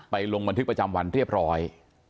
ลงบันทึกประจำวันเรียบร้อย